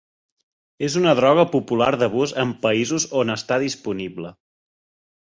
És una droga popular d'abús en països on està disponible.